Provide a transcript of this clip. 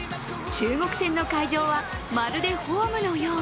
中国戦の会場はまるでホームのよう。